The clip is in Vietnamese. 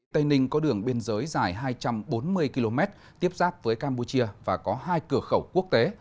tây ninh có đường biên giới dài hai trăm bốn mươi km tiếp giáp với campuchia và có hai cửa khẩu quốc tế